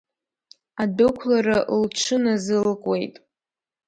Адәықәлара лҽыназылкуеит.